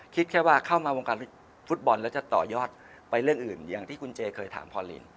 คิดแค่ว่าเข้ามาวงการฟุตบอลแล้วจะต่อยอดไปเรื่องอื่นอย่างที่คุณเจเคยถามพอลิน